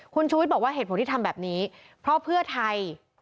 คุณชูวิทย์บอกว่าเหตุผลที่ทำแบบนี้เพราะเพื่อไทย